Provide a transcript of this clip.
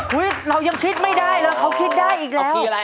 เรายังคิดไม่ได้แล้วเขาคิดได้อีกแล้ว